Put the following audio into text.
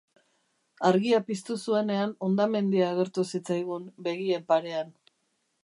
Argia piztu zuenean hondamendia agertu zitzaigun begien parean.